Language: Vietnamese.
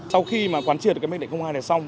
sau khi mà quán triển được cái mấy đệnh hai này xong